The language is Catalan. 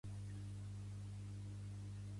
Vagarejar d'ací d'allà sense deixar d'equivocar-se.